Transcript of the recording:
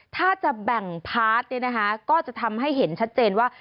ถ้าจะแบ่งพาร์ทเนี่ยนะคะก็จะทำให้เห็นชัดเจนว่า